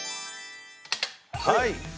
はい